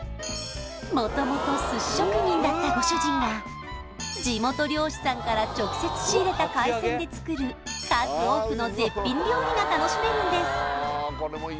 元々寿司職人だったご主人が地元漁師さんから直接仕入れた海鮮で作る数多くの絶品料理が楽しめるんです